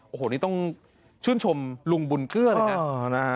โอ้โหนี่ต้องชื่นชมลุงบุญเกื้อเลยนะ